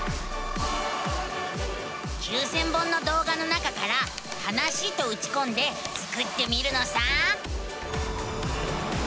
９，０００本の動画の中から「はなし」とうちこんでスクってみるのさ。